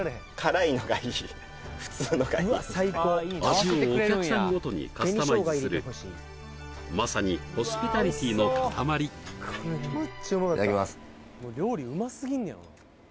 味をお客さんごとにカスタマイズするまさにホスピタリティーの塊いただきます